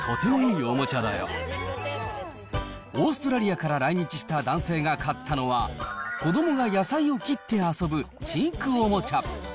オーストラリアから来日した男性が買ったのは、子どもが野菜を切って遊ぶ知育おもちゃ。